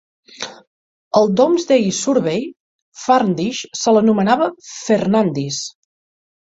Al Domesday Survey, Farndish se l'anomenava "Fernadis".